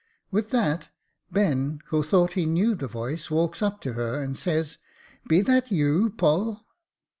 With that, Ben, who thought he knew the voice, walks up to her, and says, * Be that you. Poll